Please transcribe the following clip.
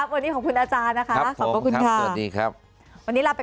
วันนี้ขอบคุณอาจารย์นะคะ